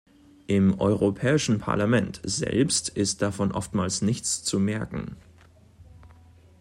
Im Europäischen Parlament selbst ist davon oftmals nichts zu merken.